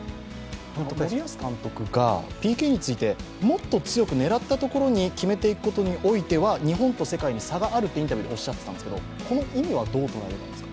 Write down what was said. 森保監督がＰＫについてもっと強く狙ったところに決めていくことにおいては日本と世界に差があるとおっしゃっていたんですけどこの意味はどう捉えていますか？